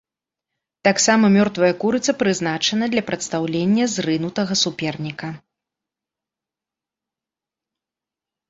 Таксама мёртвая курыца прызначана для прадстаўлення зрынутага суперніка.